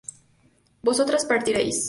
vosotras partierais